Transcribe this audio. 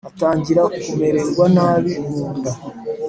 atangira kumererwa nabi mu nda,